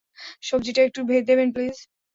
সব্জিটা একটু দেবেন প্লিজ?